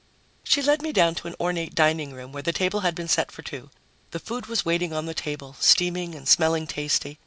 She led me down to an ornate dining room, where the table had been set for two. The food was waiting on the table, steaming and smelling tasty.